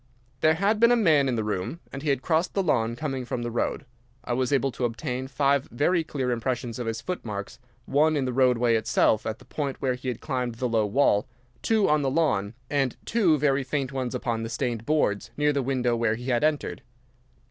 There had been a man in the room, and he had crossed the lawn coming from the road. I was able to obtain five very clear impressions of his footmarks: one in the roadway itself, at the point where he had climbed the low wall, two on the lawn, and two very faint ones upon the stained boards near the window where he had entered.